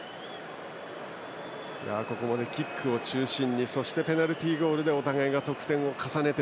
ここまでキックを中心にそしてペナルティーゴールでお互いが得点を重ねて。